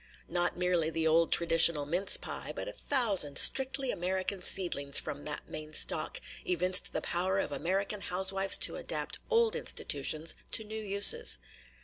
Not merely the old traditional mince pie, but a thousand strictly American seedlings from that main stock, evinced the power of American housewives to adapt old institutions to new uses.